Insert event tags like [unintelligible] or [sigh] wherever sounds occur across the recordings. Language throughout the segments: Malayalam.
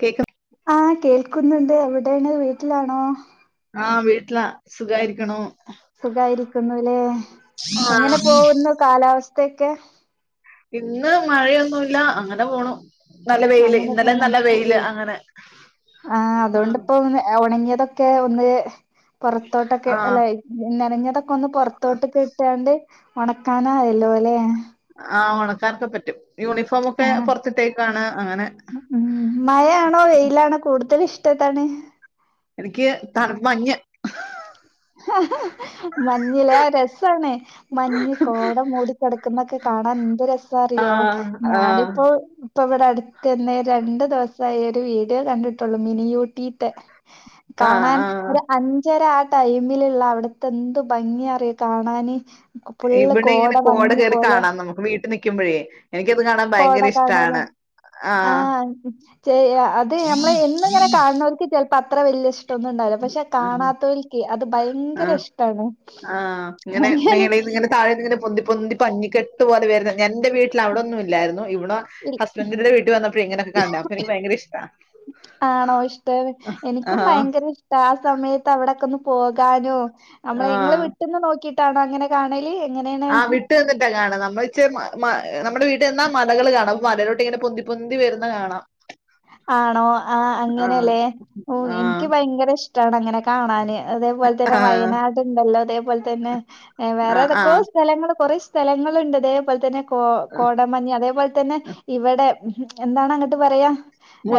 കേക്ക ആഹ് കേൾക്കുന്നുണ്ട് എവിടെയാണ് വീട്ടിലാണോ ആഹ് വീട്ടില സുഖായിരിക്കണു സുഖായിരിക്കുന്നുല്ലേ എങ്ങനെ പോകുന്നു കാലാവസ്ഥൊക്കെ ഇന്ന് മഴയൊന്നുമല്ല അങ്ങനെ പോണു നല്ല വെയില് ഇന്നലെ അങ്ങനെയൊക്കണ് നല്ല വെയില് അങ്ങനെ ആഹ് അതുകൊണ്ടിപ്പോ ഉണങ്ങിയതൊക്കെ ഒക്കെ ഒന്ന് പുറത്തോട്ടൊക്കെ ആഹ് അല്ല നിറഞ്ഞതൊക്കെ ഒന്ന് പുറത്തോട്ട് കിട്ടാണ്ട് ഉണക്കാനായല്ലോ അല്ലെ ആഹ് ഓണക്കാർക്കെ പറ്റും യൂണിഫോമ ഒക്കെ ആഹ് പുറത്തിട്ടേക്കാണ് അങ്ങനെ ഉം മഴയാണോ വെയിലാണോ കൂടുതൽ ഇഷ്ടത്താണ് എനിക്ക് തണു മ മഞ് മഞ്ഞിലെ ആഹ് രസണ മഞ്ഞ് കോട മൂടി കിടക്കുന്നൊക്കെ കാണാൻ എന്ത് രസ അറിയോ ആഹ് ആഹ് ഞാനിപ്പോ ഇപ്പ ഇവിടെ അടുത്തന്ന രണ്ടു ദിവസായി ഒരു വീഡിയോ കണ്ടിട്ടുള്ളു മിനിയൂട്ടീത്തെ ആഹ് കാണാൻ ആഹ് ഒരു അഞ്ചര ടൈമിലുള്ള അവിടത്തെ എന്ത് ഭംഗിയാന്നറിയോ കാണാന് ഫുള്ള് ഇവിടെ ഇങ്ങനെ കോട മഞ്ഞ് കയറി പോലെ കാണാം നമുക്ക് വീട്ടിൽ നിൽക്കുമ്പോഴേ എനിക്കത് കാണാൻ കോട ഭയങ്കര കാണാന് ഇഷ്ടാണ് ആഹ് ചെയ അത് നമ്മള് എന്നും ഇങ്ങനെ കാണണവർക്ക് ചെലപ്പോ അത്ര വല്യ ഇഷ ടാ ഒന്നും ഇണ്ടാവില്ല പക്ഷെ ആഹ് കാണാത്തവരിക്ക് അത് ആഹ് ഭയങ്കര ഇഷ്ടമാണ് ആഹ് ഇങ്ങനെ മേളീനിങ്ങനെ താഴെ നിങ്ങെ പൊന്തി പൊന്തി പഞ്ഞിക്കെട്ട് പോലെ വരുന്ന ഞാ എന്റെ വീട്ടിൽ അവിടൊന്നും ഇല്ലായിരുന്നു ഇവിടെ ഹസ്ബന്ഡറിന്റെടെ വീട്ട് വന്നപ്പോഴ എങ്ങനൊക്കെ കണ്ടണെ അപ്പ എനിക്ക് ഭയങ്കര ഇഷ്ട ആണോ ഇഷ്ട എനിക്കും ആഹ് ഭയങ്കരഷ ആഹ് സമയത്ത് അവിടെക്കെ ഒന്ന് പോകാനോ നമ്മള നിങ്ങള്ൾ ആഹ് വിട്ടന്ന് നോക്കിട്ടാണോ അങ്ങനെ കാണല് എങ്ങനെയാണ് ട്ട കാണാം നമ്മള നമ്മുടെ വീട്ൽന്നാ മലകള് കാണാം മലേലോട്ട് ഇങ്ങനെ പൊന്തി പൊന്തി പൊന്തി വരുന്ന കാണാം ആണോ ആ ആഹ് അങ്ങനെയല്ലേ ആഹ് എനിക്ക് ഭയങ്കര ഇഷ്ടമാണ് അങ്ങനെ കാണാൻ അതേപോലെ തന്നെ ആഹ് വയനാട് ഉണ്ടല്ലോ അതേപോലെ തന്നെ വേറെ ആഹ് തൊക്കോ ആഹ് സ്ഥലങ്ങൾ കുറേ സ്ഥലങ്ങളുണ്ട് അതേപോലെ തന്നെ കോ കോട മഞ്ഞ അതേപോലെ തന്നെ ഇവിടെ എന്താണ് അങ്ങോട്ട് പറയാം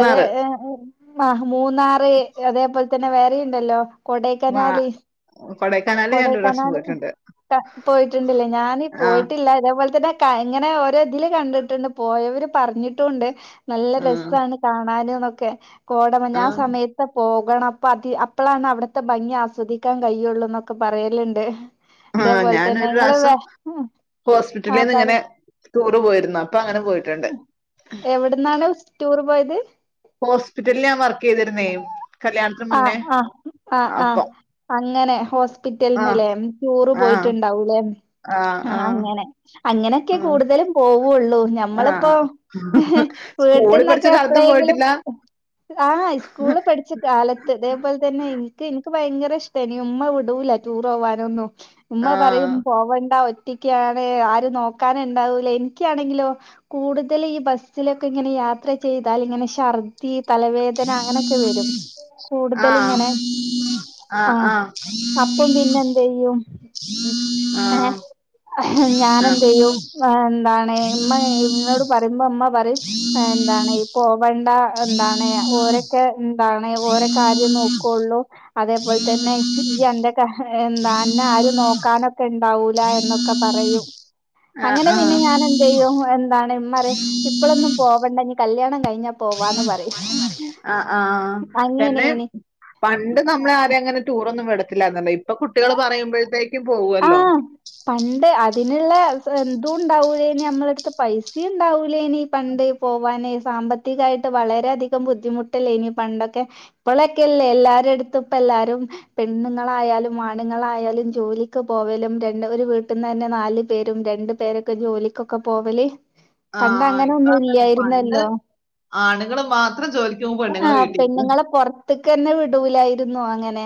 അഏ ഉ മൂന്നാറ് അതേപോലെ തന്നെ വേറെയുണ്ടല്ലോ കൊടൈക്കനാല് കോടേകനാല് കൊടൈക്കനാൽ പോയിട്ടുണ്ടില്ലേ ഞാാനീ ആഹ് പോയിട്ടില്ല അതേപോലെ തന്നെ ഇങ്ങനെ ഓരോ ഇതില് കണ്ടിട്ടുണ്ട് പോയവര് പറഞ്ഞിട്ടുണ്ട് നല്ല രസ ആഹ് കാണാനൂംനൊക്കെ ന്നൊക്കെ ക്കെ കോടഞ്ഞ ആ ആഹ് സമയത്ത് പോകണം അപ്പ അതി അപ്പളാണ് അവിടത്തെ ഭംഗി ആസ്വദിക്കാൻ കഴിയുള്ളൂ എന്നൊക്കെ പറയലുണ്ട് ആഹ അതേപോലെ തന്നെ ഞാനൊരു നിങ്ങള് പ്രാസം വേ ഹോസ്പിറ്റലിൽ ആ നിന്ന് ഇങ്ങനെ പറയ് ടൂറ് പോയിരുന്നു അപ്പൊ അങ്ങനെ പോയിട്ടുണ്ട് എവിടന്നാണ് ടൂർ പോയത് ഹോസ്പിറ്റലിൽ ഞാൻ വർക്ക് ചെയ്തിരുന്നേും ആഹ് ആഹ് ആഹ ആഹ അങ്ങനെ ആഹ് ഹോസ്പിറ്റലന്നല്ലേ ടൂറ് ആഹ് പോയിട്ടുണ്ടാവൂലേ ആഹ് ആ ആഹ് അങ്ങനെ അങ്ങനൊക്കെ ആഹ് കൂടുതലും പോവുള്ളൂ ഞമ്മളിപ്പോൊ ആഹ് ഹി സ്കൂളിൽ വീട്ടിൽന്നൊക്കെ പഠിച്ച കാലത്തും എപളെങ്കിലും പോയിട്ടില്ല ആഹ സ്കൂള് പഠിച്ച കാലത്ത് അതേപോലെ തന്നെ എനിക്ക് എനിക്ക് ഭയങ്കര ഇഷ്ട ഇനി ഉമ്മ വിടൂല ടൂർ പോവാനൊന്നും ഉമ്മ പറയും ആഹ് പോവണ്ട ഒറ്റക്കാണ് ആരും നോക്കാനുണ്ടാവണ്ടാവൂല എനിക്കാണെങ്കിലോ കൂടുതൽ ഈ ബസിലോക്കിങ്ങനെ ഈ ബസ്സിലൊക്കെ ഇങ്ങനെ യാത്ര ചെയ്താൽ ഇങ്ങന ത്തി തലവേദന അങ്ങനെയൊക്കെ വരും കൂടുതൽ ആഹ ഇങ്ങനെ ആഹ ആഹ് ആഹ അപ്പം പിന്നെന്ത ചെയ്യും ആ ആഹ് ഞാൻെന്ത് ചെയ്യും എന്താണ് ഇമ്മ ഇോട് പറയുമ്പോ അമ്മ പറയും എന്താണ് ഈ പോവണ്ട എന്താണ് ഓരൊക്കെ എന്താ അ ഓരോ കാര്യം നോക്കയുള്ളൂ അതേപോലെ തന്നെ ഈ എൻന്റെ എന്താ അന്നെ ആരും നോക്കാനൊക്കെ ഉണ്ടാവൂല എന്നൊക്കെ പറയും ആഹ് അങ്ങനെ പിന്നെ ആഹ് ഞാൻ എന്ത് ചെയ്യും എന്താണ് ഇപ്പഴൊന്നും പോവണ്ട കല്യാണം കഴിഞ്ഞാ പോവാന്ന് പറയും ആഹ് ആഹ് പിന്നെ അങ്ങനെനി പണ്ട് നമ്മള ആരെയും അങ്ങനെ ടൂറൊന്നും വിടത്തില്ലാരുന്നല്ലോ ഇപ്പൊ കുട്ടികള് പറയുമ്പഴ്ത്തേക്കും പോകുല്ലോ ആഹ് പണ്ട് അതിനുള്ള ഇതും ഉണ്ടാവൂല്ലേനി നമ്മളടുത്ത് പൈസ ഇണ്ടാവൂലേനി പണ്ട് പോവാന് സാമ്പ വകായിട്ട് വളരെെയധികം ബുദ്ധിമുട്ടല്ലേ ഇനി പണ്ടൊക്കെ ഇപ്പോളൊക്കെല്ലേ എല്ലാരുടുത്തും ഇപ്പ എല്ലാരും പെണ്ണുങ്ങളായാലും ആണുങ്ങളായാലും ജോലി പോവലും രണ്ട് ഒരു വീട്ടിൽന്ന് തന്നെ നാല് പേരും രണ്ടു പേരൊക്കെ ജോലിക്കൊക്കെ പോവല് പണ്ട് ആഹ് അങ്ങനെ ഒന്നും ഇല്ലായിരുന്നല്ലോ ആണുങ്ങള് മാത്രം ജോലിക്ക് പോം പെണ്ണുങ്ങള് വീട്ടി ഇരിക്കും ത്തക്കന്നെ വിടൂലായിരുന്നു അങ്ങനെ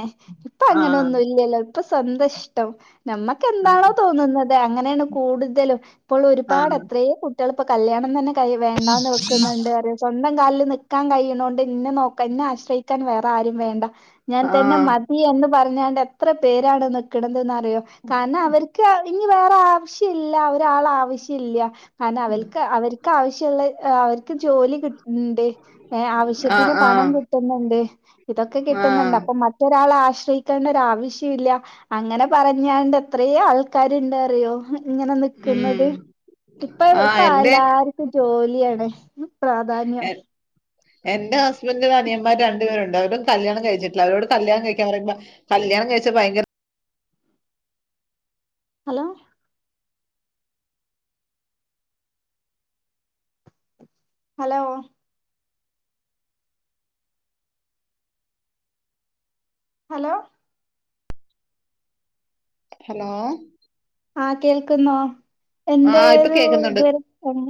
ഇപ്പ ആഹ് അങ്ങനെൊന്നും ഇല്ലല്ലോ ഇപ്പൊ സന്ത നമ്മക്ക് ആഹ് എന്താണോ തോന്നുന്നത് അങ്ങനെയാണ് കൂടുതലും ഇപ്പോൾ ആഹ് ഒരുപാട് എത്രയേ കു കുട്ടികള് ഇപ്പോ കല്യാണം തന്നെ കൈ വേണ്ടാന്ന് വെക്കുന്നുണ്ട് അറയും സ്വന്തം കാലിൽ നിക്കാൻ കഴിയണൊണ്ട് ഇന്നെ നോക്കാ എന്നെ ആശ്രയിക്കാൻ വേറെ ആരും വേണ്ട ഞാൻ തന്നെ ആഹ് മതി എന്ന് പറഞ്ഞാണ്ട് എത്ര പേരാണ് നിക്കണതെന്ന് അറിയോ കാരണം അവര്ക്ക് ഇനി വേറെ ആവശ്യല്ല ഒരാൾ ആവശ്യല്ല കാരണം അവൽക്ക് അവര്ക്ക് ആവശ്യള്ള അവര്ക്ക് ജോലി കി ഇണ്ട് ഏഹ് ആവശ്യത്തിന് ആഹ് പണം ആഹ് കിട്ടുന്നുണ്ട് ഇതൊക്കെ കിട്ടുന്നുണ്ട് ആഹ് അപ്പൊ മറ്റൊരാളെ ആശ്രയിക്കേണ്ട ഒരാവശ്യം ഇല്ല അങ്ങനെ പറഞ്ഞാണ്ട് എത്രയോ ആൾക്കാര്ണ്ട് അറിയോ ഇങ്ങനെ നിക്ക്ന്നത് ഉം ഇപ്പൊ ആഹ് ഇപ്പൊ എന്റെ എല്ലാർക്കും ജോലിയാണ് പ്രാധാന്യം എ എന്റെ ഹസ്ബൻ്റിന് അനിയന്മാര് രണ്ടു പേരുണ്ട് അവരും കല്യാണം കഴിച്ചിട്ടില്ല അവരോട് കല്യാണം കഴിക്കാൻ പറയുമ്പ കല്യാണം കഴിച്ചാ ഭയങ്കര ഹലോ ഹലോ ഹലോ ഹലോ ആ കേൾക്കുന്നോ ആഹ് ഇപ്പൊ എന്തേരു കേക്കുന്നുണ്ട് ഇ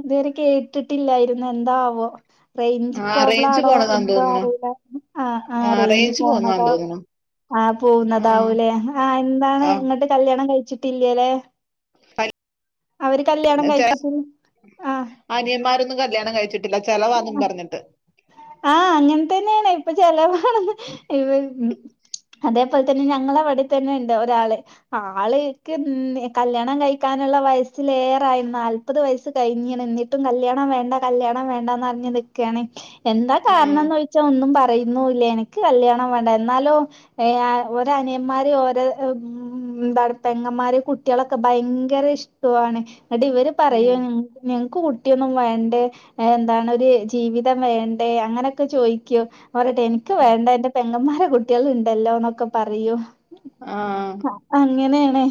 ഇതുവരെ കേട്ടിട്ടില്ലായിരുന്നു എന്താവോ റേഞ്ച് ആഹ് പ്രോബ്ലം റേഞ്ച് ആണോ പോണതാന്ന് എന്തോ തോന്നുണു അറിയില്ല ആ ആ ആഹ് റേഞ്ച് പോന്നതാന്ന് പോണതോ തോന്നുണു ആഹ് ആഹ് പോവുന്നതാവൂലേ ആഹ് എന്താണ് ആഹ് ഇങ്ങട്ട് കല്യാണം കഴിച്ചിട്ടില്ലല്ലേ [inaudible] കഴിച്ചിട്ട് ആഹ് അനിയന്മാരൊന്നും കല്യാണം കഴിച്ചിട്ടി പിന്നെ ചെലവാന്നും പറഞ്ഞിട്ട് ആഹ് അങ്ങനെ തന്നെയാണ് ഇപ്പൊ ചെലവാണ് ഇ അതേപോലെ തന്നെ ഞങ്ങള അവിടെ തന്നെ ഇണ്ട് ഒരാള് ആള്ക്ക് കല്യാണം കഴിക്കാനുള്ള വയസ്സിലേറെയിരുന്നാല് മുപ്പത് വയസ്സ് കഴിഞ്ഞാണ് എന്നിട്ടും കല്യാണം വേ കല്യാണം വേണ്ടാന്ന് അറഞ്ഞ് നിക്കാണ് എന്താ ആഹ് കാരണംന്ന് ച്ച ഒന്നും പറയുന്നുല്ല എനിക്ക് കല്യാണം വേണ്ട എന്നാലോ ഏഹ് ഓര് അനിയന്മാര് ഓരോ ഉം [unintelligible] പെങ്ങമാര് കുട്ടികളൊക്കെ ഭയങ്കര ഇഷ്ടാണ് എന്നിട്ട് ഇവര് പറയോ ഉം ഞങ്ങക്ക് കുട്ടിയൊന്നും വേണ്ടേ എന്താണ് ഒരു ജീവിതം വേണ്ടേ അങ്ങനെയൊക്കെ ചോയ്ക്കോ വറട്ടെ എനിക്ക് വേണ്ട എന്റെ പെങ്ങമാരെ കുട്ടികള് ഇണ്ടല്ലോന്നൊക്കെ പറയൂം ആഹ് അങ്ങനെയാണ്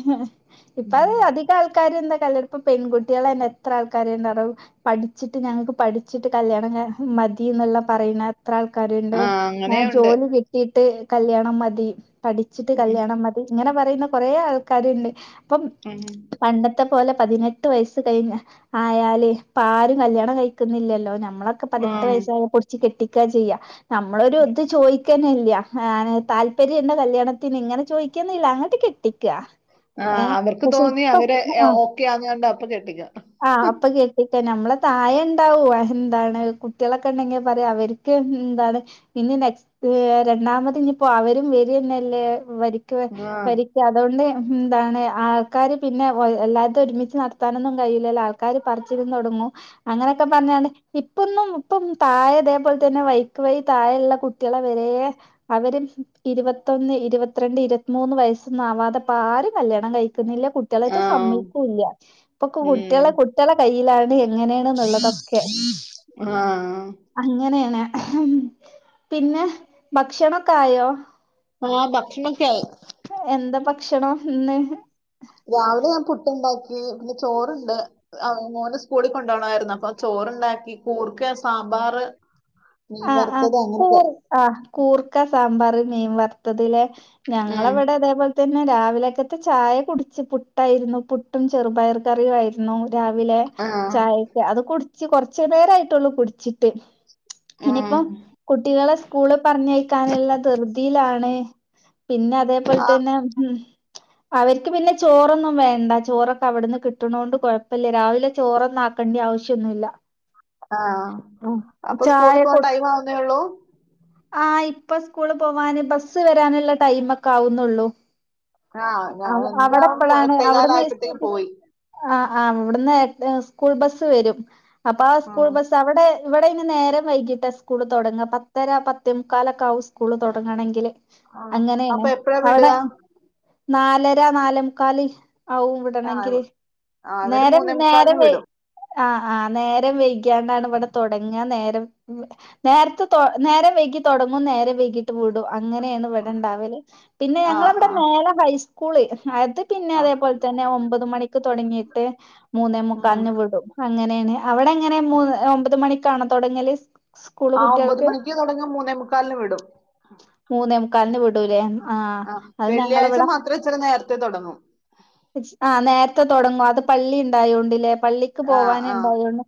ഇപ്പ അത് അധി ആൾക്കാർ എന്താ കല്ല ഇപ്പ പെൺകുട്ടികൾെ എത്ര ആൾക്കാ ഉണ്ടും പഠ ഠിച്ചിട്ട് ഞങ്ങൾക്ക് പഠിച്ചിട്ട് കല്യാണം മതി എന്നെല്ലാം പറയുന്ന ത്ര ആൾക്കാരുണ്ട് ആഹ് അങ്ങനെയുണ്ട് ജോലി കിട്ടിയിട്ട് കല്യാണം മതി പഠിച്ചിട്ട് ഉം കല്യാണം മതി ഇങ്ങനെ പറയുന്ന കൊറെ ആൾക്കാരുണ്ട് അപ്പം എഹെ പണ്ടത്തെ പോലെ പതിനെട്ട് വയസ് കഴിഞ്ഞ ആയല് ഇപാരും കല്യാണം കഴിക്കുന്നില്ലല്ലോ. നമ്മളൊക്കെ പതിനെട്ട് ആഹ് വയസ്സ പൂടിച്ച് കെട്ടിക്കാ ചെയ്യാ നമ്മളൊ രു ഇത് ചോയി ക്കന്നെല്ല താല്പര്യം ണ്ടോ കല്യാണത്തിന് ഇങ്ങനെ ചോദിക്കന്നല്ല അങ്ങോട്ട് കെട്ടി കെട്ടിക്ക ഏഹ് പക്ഷെ ഇപ്പം ആഹ് കുട്ട്യേന്ന് കണ്ട അപ്പൊ കെട്ടിക്കുക ആഹ് അപ്പൊ കേെട്ടിക്ക നമ്മളെ താഴെണ്ടാവു എന്താണ് കുട്ടികളൊക്കെ ഉണ്ടെങ്കിൽ പറയാ അവർ ക്ക് എന്തണ് ഇന്ന നെക്സ്റ്റ് രണ്ടാമത് ഇനിപ്പോ അവരും വേരന്നെല്ലേ വരിക് ആഹ് വരിക് അതുകൊണ്ട് എന്താണ് ആൾക്കാര് പിന്നെ എല്ലാത്തും ഒരുമിച്ച് നടത്താനൊന്നും കയൂല്ലോ ല്ലേ ആൾക്കാര് പറിച്ചിലും തുടങ്ങും അങ്ങനെയൊക്കെ പറഞ്ഞണ്ട് ഇപ്പൊന്നും ഇപ്പം താഴെ അതേപോലെ തന്നെ വൈക്ക് വൈ താഴ ഉള്ള കുട്ട ട്ട്യേളെ വരെ അവരും ഇരുപത്തൊന്ന്, ഇരുപത്തിരണ്ട്, ഇരുപത്തിമൂന്ന് വയസ്സൊന്നുംആവാതെപ്പോ ആരും കല്യാണം കഴിക്കുന്നില്ല കുട്ട്യേള് റ്റെ ആഹ് സമ്മിയിക്കുല്ല ഇപ്പൊ കുട്ടികള ഉം കുട്ടികളെ കയ്യിലാണ് എങ്ങനെയാണ് ന്നുള്ളതൊക്കെ ആ അങ്ങനെയാണ് പിന്നെ ഭക്ഷണൊക്കെ ആയോ ആഹ് ഭക്ഷണോക്കായി എന്താ ഭക്ഷണം ഇന്ന് രാവിലെ ഞാൻ പുട്ട്ണ്ടാക്കി പിന്നെ ചോറണ്ട്. ആഹ് മോന്റെ സ്കൂളി കൊണ്ടോണയിരുന്നു അപ്പൊ ചോറണ്ടാക്കി കൂർക്ക, സാമ്പാർ ആ ആ കൂർ ആഹ് കൂർക്ക, സാമ്പാർ, മീൻ വറുത്തതിലെ ഞങ്ങള ഉം. അവിടെ അതേപോലെ തന്നെ രാവിലക്കത്ത് ചായ കുടിച്ച് പുട്ടായിരുന്നു. പുട്ടും ചെറുപയറും കറിയുആയിരുന്നു രാവിലെ ആ ചായക്. അത് കുടിച്ച് കൊറച് നേരയിട്ടുള്ളൂ കുടിച്ചിട്ട് ഉം. ഇനിയിപ്പം കുട്ടികളെ സ്കൂള് പറഞ്ഞയ്ക്കാനുള്ള ധൃതിയിലാണ് പിന്നെ അതേപോലെ തന്നെ അവർക്ക് പിന്നെ ചോറൊന്നും വേണ്ട ചോറൊക്കെ അവിടന്ന് കിട്ടണത കൊണ്ട് കൊഴപ്പില്ലേ രാവിലെ ചോറൊന്ന ആകണ്ടിയ ആവശ്യന്നുമല്ല ആഹ് അപ്പൊ സ്കൂളിൽ കൊ പോകൻ ടൈം ആവുന്നേള്ളൂ ആ ഇപ്പ സ്കൂള് പോവാന് ബസ് വരാനുള്ള ടൈം ഒക്കെ ആവുന്നുള്ളൂ ആ ഞാൻ അവ അവിടെ എന്താവും പോ- എപ്പഴാണ് അവിടുന്ന് എട്ടേകാലായപ്പോഴത്തേക്കും പോയി ആ ആഹ് ഇവിടുന്ന് സ്കൂൾ ബസ് വരും അപ്പൊ ആ സ്കൂൾ ബസ് അവിടെ ഇവിടെ ഇ നേരം വൈകിട്ട് സ്കൂള് തുടങ്ങ പത്തര പത്ത് മുക്കാലൊക്കെ ആവും സ്കൂള് തുടങ്ങണമെങ്കിൽ ആ. അങ്ങനെയണ് അപ്പൊ എപ്പോഴാ അവിടെ വിടുക നാലര നാലെ മുക്കാല് ആവും ആ വിടണെങ്കില് ഇവ- ആ, അവര് നേരം മൂന്നേ നേര മുക്കാലിന് വിടും ആഹ് ആഹ് നേരം വെയകാണ്ടാണ് ഇവിടെ തുടങ്ങ നേരം നേരത്ത് നേരെ വൈകി തുടങ്ങും നേരെ വൈകിട്ട് വിടും അങ്ങനെയാണ് ഇവിടെണ്ടാവല്, പിന്നെ ആ ഞങ്ങളവിടെ ആ മേലെ ഹൈ സ്കുള് അത് പിന്നെ ആ അതേപോലെ തന്നെ ഒമ്പത് മണിക്ക് തുടങ്ങിയിട്ട് മൂന്നേ ഉം. മുക്കാൽന് വിടും അങ്ങനെയാണ് അവിടെ എങ്ങനെ മൂന്ന് ഒമ്പത് മണിക്കണോ തുടങ്ങല് ആ ഒമ്പത് മണിക്ക് തുടങ്ങും മൂന്നേ മുക്കാലിന് വിടും മൂന്നേമുക്കാലിനു വിടൂലേ ആഹ് ആ അത് വെള്ളിയാഴ്ച ഞങ്ങളവിടെ മാത്രേ ഇച്ചിരി നേർത്തെ തൊടങ്ങൂ ഇജ് ആഹ് നേർത്തെ തൊട്ങ്ങും അത് പള്ളി ഇണ്ടായോണ്ടില്ലേ പള്ളി ക്ക് ആ പോവാന് ആ ഇണ്ടായോണ്ട്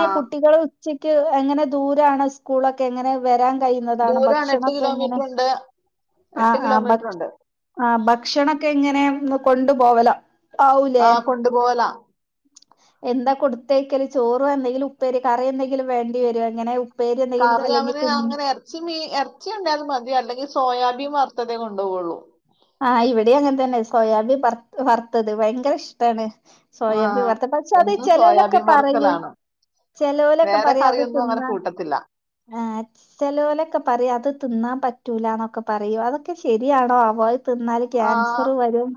ആ കുട്ടികൾ ഉച്ചക്ക് എങ്ങനെ ദൂരാണ് സ്കൂളൊ ക്കെങ്ങനെ വരാൻ കഴിയുന്നതാണ് ദൂരാണ് എട്ട് ഭക്ഷണക്കെ എങ്ങനെ കിലോമീറ്റർ ഉണ്ട് എട്ട് ആഹ് ആഹ് കിലോമീറ്റർ ഭക്ഷ ഉണ്ട് ആഹ് ഭക്ഷണൊക്കെ ഇങ്ങനെ ഒ കൊണ്ടു പോവലോ ആവൂലേ ആ കൊണ്ടുപോകലാ എന്താ കൊടുത്തേയ്ക്കല് ചോറ് എന്തെങ്കിലും ഉപ്പേരി കറി എന്തെങ്കിലും വേണ്ടിവേരോ എങ്ങനെ പേരി എന്തെങ്കിലും അല്ലെങ്കിൽ തിന്ന് പക്ഷെ മീ എർച്ചി ഉണ്ടായാലും മതി അല്ലെങ്കിൽ സോയാബീൻ വർത്തതേ കൊണ്ടോകൊള്ളൂ ആഹ് ഇവിടെ അങ്ങനെ തന്നെ സോയാബി വർ വർത്തത് ഭയങ്കര ഇഷ്ടാണ് ആ സോയഭി വർത്ത പക്ഷെ അത് എന്നും ചെലോലൊക്കെ സോയാബീൻ പറയും വറുക്കലാണ് ചെലോലൊക്കെ വേറെ പറയും അതു കറിയൊന്നും തിന്ന അങ്ങനെ കൂട്ടത്തില്ല ഏഹ് ചെലോലൊക്കെ പറയും അത് തിന്നാൻ പറ്റൂലന്നൊക്കെ പറയൂ അതൊക്കെ ശെരിയാണോ ആവോ തിന്നാല് ആ ക്ൻസർ വരും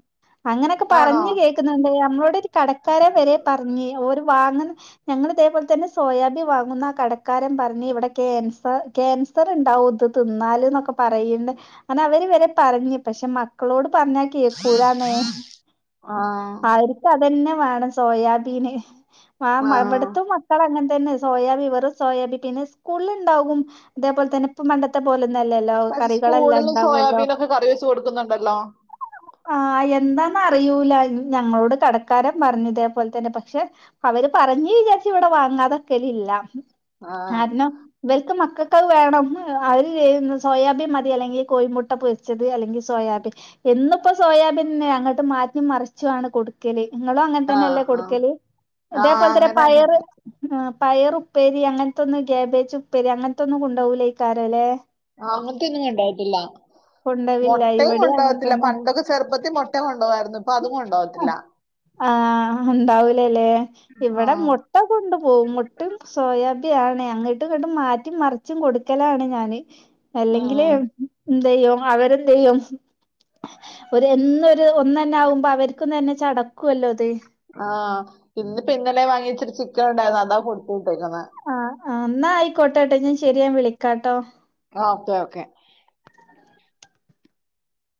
അങ്ങനെക്കെ ആണോ പറഞ്ഞ് കേക്ക് [unintelligible] നമ്മളോടൊ ഒരു കടക്കാരൻ വരെ പർഞ്ഞ് ഓര് വാങ്ങ്ന്ന് ഞങ്ങൾ ഇതേപോലെ തന്നെ സോയാബിൻ വാങ്ങുന്ന ആ കടക്കാരൻ പറഞ്ഞ് ഇവിടെ കേൻസർ കേൻ സറുണ്ടാവും ഇത് തിന്നാല്ന്നൊക്കെ പറയ്ണ്ടേ അന്ന അവര് വരെ പറഞ്ഞ് പക്ഷെ മക്കളോട് പർഞ്ഞ കേക്കൂലാന്നേ ആ ആര് അതന്നെ വേണം സോയാബീന് ആ ഇവട്ത്തും മക് [unintelligible] അങ്ങൻതന്നെ സോയാബി വെറും സോയാബി പിന്നെ സ്കൂള്ല് ഇണ്ടാകും അതേപോലെ തന്നെ ഇപ്പ പണ്ടത്തെ പോലൊന്നല്ലല്ലോ പക്ഷെ കറികളെല്ലാം സ്കൂളിലും ഇണ്ടാവല്ലോ സോയാബീനൊക്കെ കറി വെച്ച് കൊടുക്കുന്നുണ്ടല്ലോ ആഹ് എന്താന്ന അറിയിൂല ഞങ്ങളോട് കടക്കാരൻ പറഞ്ഞു ഇതേപോലെ തന്നെ പക്ഷെ അവര് പറഞ്ഞ് വിചാരിച്ച് ഇവിടെ വാങ്ങാതൊക്കെലില്ല ആ കാരണം വൽക്ക് മക്കക്ക് അത് വേണം ഏ അവര് സോയാബീൻ മതി അല്ലെങ്കിൽ കോഴിമുട്ട പൊരിച്ച ത് അല്ലെങ്കിൽ സോയാബിൻ എന്നുപ്പോ സോയാബിൻ ന്നെ അങ്ങോട്ട് മാറ്റി മറിച്ചുആണ് കൊടു ക്കെല് നിങ്ങളും അങ്ങനെ ആ തന്നെയ അല്ലേ ആ കൊടുക്കല് ആ ഇതേപോലെ തന്ന അങ്ങനെ തന്നെ പയറ് ആഹ് പയർ ഉപ്പേരി അങ്ങൻത്തൊന്നും കേബേജ് ഉപ്പേരി അങ്ങൻത്തൊന്നും കൊണ്ടോകൂലേകാരംല്ലേ ആഹ് അങ്ങൻത്തെന്നും കൊണ്ടാകത്തില്ല. കൊണ്ടോവില്ല മൊട്ടയും ഇവിടേം അങ്ങനെ കൊണ്ടോകത്തില്ല തന്നെ പണ്ടൊക്കെ ചെറുപ്പത്തില് മൊട്ട കൊണ്ടോകാർന്നു ഇപ്പൊ അതും കൊണ്ടോകത്തില്ല ആഹ് ഉണ്ടാവൂലല്ലേ ആ ഇവടെ മു ട്ട കൊണ്ടു പോകും മുട്ടയും സോയാബിയാണ് അങ്ങട്ട് ങ്ങട്ടും മാറ്റിം മറിച്ചും കൊടുക്കലാണ് ഞാന് അല്ലെങ്കില് ഉം. എന്തയ്യും അവരെന്തയ്യും ഒരു എന്നൊരു ഒന്നന്നെ ആകുമ്പോ അവർക്കും തന്നെ ചടക്കുല്ലോ ഇത് ആഹ് ഇന്ന് പ്പ ഇന്നലെ വാങ്ങിയെച്ച ചിക്കൻ ഉണ്ടായിരുന്നു അതാ ക്കൊടുത്ത് വിട്ടേക്ക്ന്നേ ആഹ് ആഹ് എന്നാ ആയിക്കോട്ടെ ട്ടോ ഞാൻ ശരി ഞാൻ വിളിക്കാ ട്ടോ ഓക്കെ ഓക്കെ